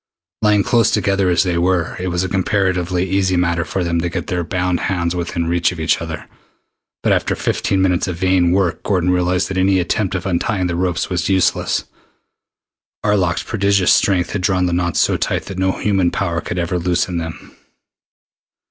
Lying close together as they were, it was a comparatively easy matter for them to get their bound hands within reach of each other, but after fifteen minutes of vain work Gordon realized that any attempt at untying the ropes was useless. Arlok's prodigious strength had drawn the knots so tight that no human power could ever loosen them.